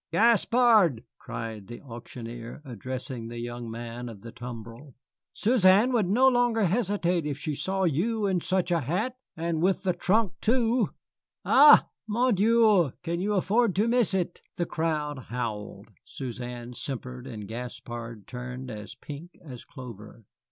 "Gaspard," cried the auctioneer, addressing the young man of the tumbrel, "Suzanne would no longer hesitate if she saw you in such a hat. And with the trunk, too. Ah, mon Dieu, can you afford to miss it?" The crowd howled, Suzanne simpered, and Gaspard turned as pink as clover.